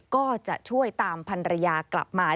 ก็จะช่วยตามพันรยากลับมา